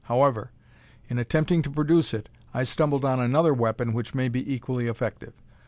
However, in attempting to produce it, I stumbled on another weapon which may be equally effective.